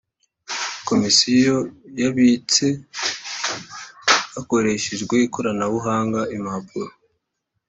Komisiyo yabitse hakoreshejwe ikoranabuhanga impapuro